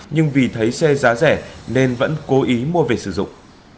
nhưng vì thấy xe giá rẻ nên vẫn cố ý mua về sử dụng